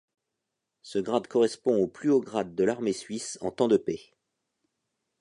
Ce grade correspond au plus haut grade de l'armée suisse en temps de paix.